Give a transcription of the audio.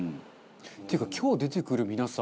っていうか今日出てくる皆さん